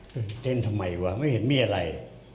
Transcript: ตื่นเต้นทำไมวะไม่เห็นมีอะไร